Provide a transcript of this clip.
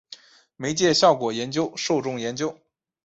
媒介效果研究受众研究